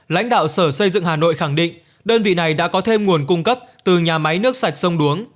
lãnh đạo sở xây dựng hà nội khẳng định đơn vị này đã có thêm nguồn cung cấp từ nhà máy nước sạch sông đuống